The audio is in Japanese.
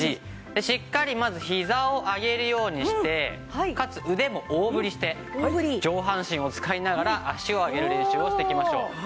しっかりまずひざを上げるようにしてかつ腕も大振りして上半身を使いながら足を上げる練習をしていきましょう。